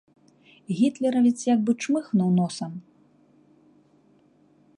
Гітлеравец як бы чмыхнуў носам.